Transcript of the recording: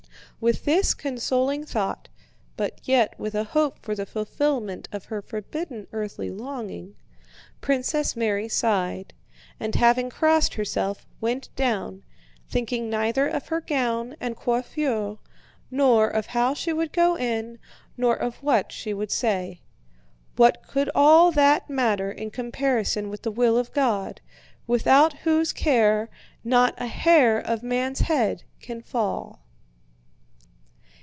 With this consoling thought (but yet with a hope for the fulfillment of her forbidden earthly longing) Princess Mary sighed, and having crossed herself went down, thinking neither of her gown and coiffure nor of how she would go in nor of what she would say. What could all that matter in comparison with the will of God, without Whose care not a hair of man's head can fall?